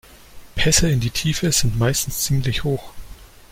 Pässe in die Tiefe sind meistens ziemlich hoch.